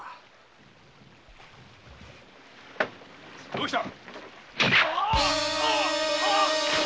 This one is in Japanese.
どうした？